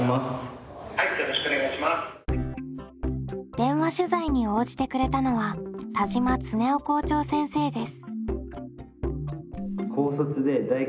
電話取材に応じてくれたのは田島常夫校長先生です。